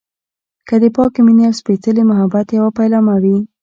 که د پاکې مينې او سپیڅلي محبت يوه پيلامه وي.